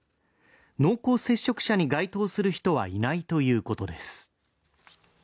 濃厚接触者に該当する人はいないということです。